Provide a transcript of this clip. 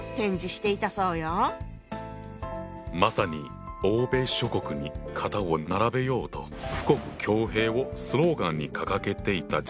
まさに欧米諸国に肩を並べようと富国強兵をスローガンに掲げていた時代だよな。